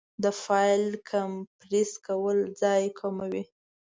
د فایل کمپریس کول ځای کموي.